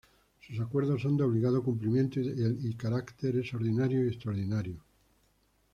Sus acuerdos son de obligado cumplimiento, y carácter es ordinario y extraordinario.